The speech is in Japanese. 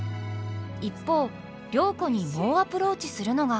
一方良子に猛アプローチするのが。